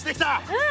うん。